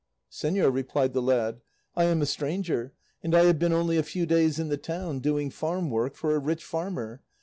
"Señor," replied the lad, "I am a stranger, and I have been only a few days in the town, doing farm work for a rich farmer.